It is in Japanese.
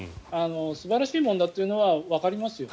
素晴らしいものだというのはわかりますよ。